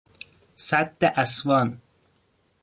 سد اسوان